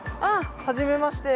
はじめまして！